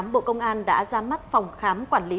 bộ công an đã ra mắt phòng khám quản lý